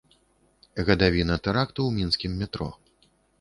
Гадавіна тэракту ў мінскім метро.